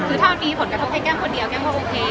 คือถ้ามีผลกระทบแค่แก้มคนเดียวแก้มก็โอเค